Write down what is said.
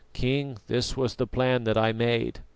King, this was the plan that I made."